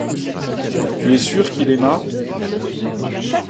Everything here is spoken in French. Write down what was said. Tu es sûr qu’il aima.